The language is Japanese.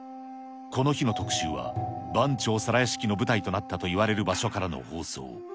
この日の特集は、番町皿屋敷の舞台となったといわれる場所からの放送。